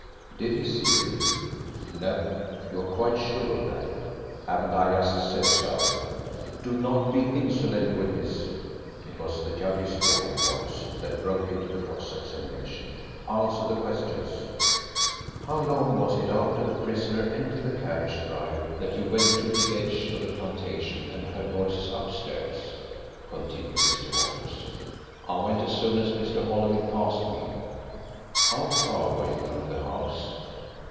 "Did he see you?" "No." "You are quite sure of that?" "Haven't I just said so?" "Do not be insolent, witness" it was the judge's warning voice that broke into the cross examination "answer the questions." "How long was it after the prisoner entered the carriage drive that you went to the edge of the plantation and heard voices upstairs?" continued Mr. Walters. "I went as soon as Mr. Holymead passed me." "How far were you from the house?"